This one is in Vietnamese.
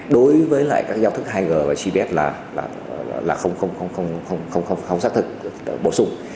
đối với lại các giao thức hai g và cbs là không xác thực bổ sung